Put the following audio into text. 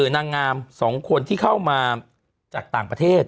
นางงาม๒คนที่เข้ามาจากต่างประเทศ